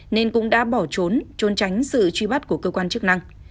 nên cũng đã bỏ trốn trôn tránh sự truy bắt của cơ quan chức năng